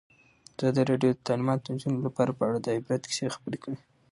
ازادي راډیو د تعلیمات د نجونو لپاره په اړه د عبرت کیسې خبر کړي.